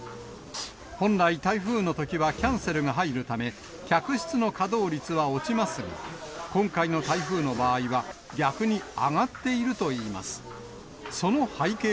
本来、台風のときはキャンセルが入るため、客室の稼働率は落ちますが、今回の台風の場合は、逆に上がっているといいます。